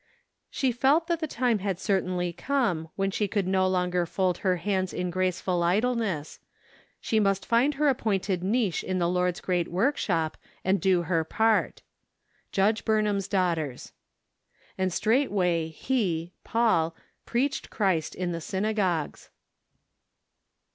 16. She felt that the time had certainly come when she could no longer fold her hands in graceful idleness; she must find her appointed niche in the Lord's great work¬ shop, and do her part. Judge Burnham's Daughters. " And straightway he {Paul) preached Christ in the synagogues